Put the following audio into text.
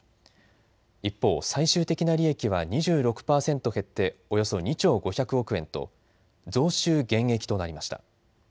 一方、最終的な利益は２６％減っておよそ２兆５００億円と増収減益となりました。